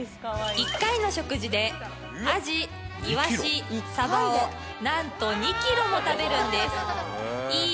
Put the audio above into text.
１回の食事でアジイワシサバを何と２ｋｇも食べるんですいい